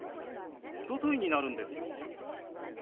「おととい」になるんですよ。